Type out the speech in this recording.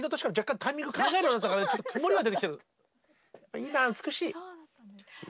いいな美しい！